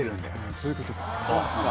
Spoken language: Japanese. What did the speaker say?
そういうことか。